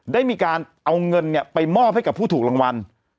ได้มีการเอาเงินไปมอบให้กับผู้ถูกรางวัล